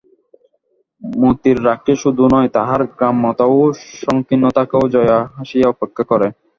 মতির রাগকে শুধু নয়, তাহার গ্রাম্যতা ও সংকীর্ণতাকেও জয়া হাসিয়া উপেক্ষা করে।